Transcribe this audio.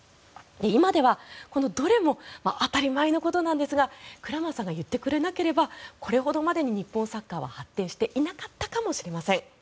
今では、このどれも当たり前のことなんですがクラマーさんが言ってくれなければこれほどまでに日本サッカーは発展していなかったかもしれません。